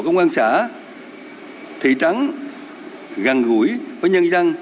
công an xã thị trắng gần gũi với nhân dân